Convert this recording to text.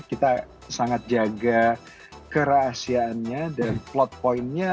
kita sangat jaga kerahasiaannya dan clot pointnya